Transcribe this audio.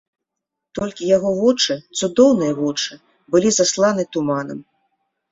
Толькі яго вочы, цудоўныя вочы, былі засланы туманам.